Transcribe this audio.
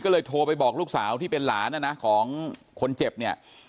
ก็เลยโทรไปบอกลูกสาวที่เป็นหลานนะนะของคนเจ็บเนี่ย